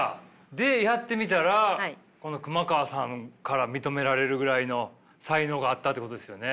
でやってみたら熊川さんから認められるぐらいの才能があったってことですよね。